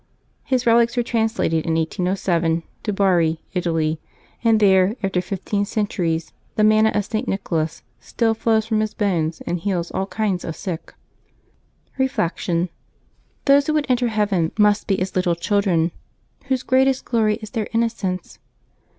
His relics were translated in 1807, to Bari, Italy, and there, after fifteen centuries, " the manna of St. Nicholas " still flows from his bones and heals all kinds of sick. Reflection. — Those who would enter heaven must be as little children, whose greatest glory is their innocence.